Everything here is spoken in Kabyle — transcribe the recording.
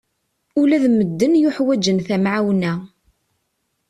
Ula d medden yuḥwaǧen tamɛawna.